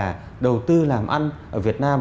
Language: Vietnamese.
cái cách là đầu tư làm ăn ở việt nam